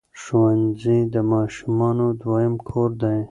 ښوونځي د ماشومانو دویم کور دی.